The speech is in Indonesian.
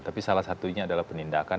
tapi salah satunya adalah penindakan